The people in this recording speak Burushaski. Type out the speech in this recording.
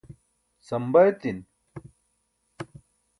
samba etin